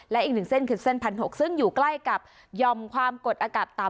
และอีกหนึ่งเส้นคือเส้น๑๖๐๐ซึ่งอยู่ใกล้กับยอมความกดอากาศต่ำ